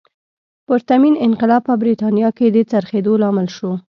پرتمین انقلاب په برېټانیا کې د څرخېدو لامل شو.